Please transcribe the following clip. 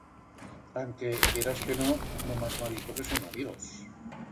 Anque, quieras que no, nomás m'ha dito que son amigos.